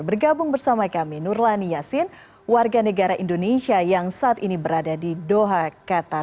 bergabung bersama kami nurlani yasin warga negara indonesia yang saat ini berada di doha qatar